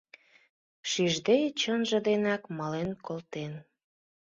Шижде чынже денак мален колтен.